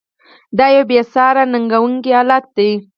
دا یوه بې ساري ننګونکی حالت دی.